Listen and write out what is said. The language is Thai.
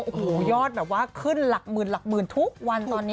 โอ้โหยอดแบบว่าขึ้นหลักหมื่นหลักหมื่นทุกวันตอนนี้